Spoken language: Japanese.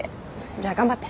じゃ頑張って。